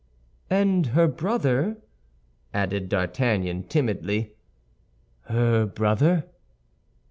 "And her brother?" added D'Artagnan, timidly. "Her brother?"